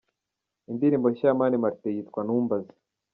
Indirimbo nshya ya Mani Martin yitwa "Ntumbaze" :.